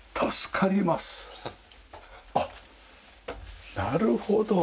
あっなるほど。